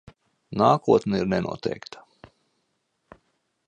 Nākotne ir nenoteikta.